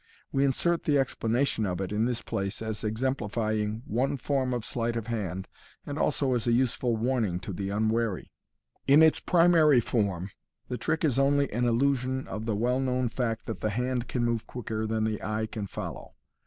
We insert the explanation of it in this place as exemplifying one form of sleight of hand, and also as a useful warning to the unwary. In its primary form, the trick is only an illustration of the well, known fact that the hand can move quicker than the eye can follow.